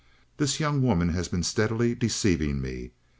This young woman has been steadily deceiving me.